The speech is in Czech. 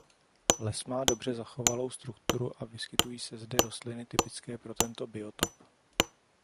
Les má dobře zachovalou strukturu a vyskytují se zde rostliny typické pro tento biotop.